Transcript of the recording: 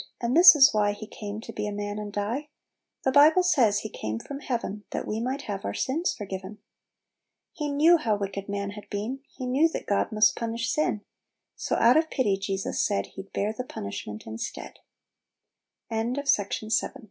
And this is why He came to be a man and die: The Bible says He came from heaven, That we might have our sins forgiven. 4 'He knew how wicked men had been, He knew that God most punish sin; So, out of pity, Jesus said, He'd b